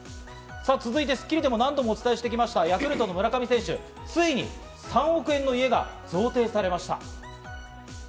さあ続いて『スッキリ』でも何度もお伝えしてきました、ヤクルトの村上選手、ついに３億円の家が贈呈されました。